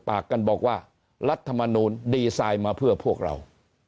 ปากกันบอกว่ารัฐมนูลดีไซน์มาเพื่อพวกเรา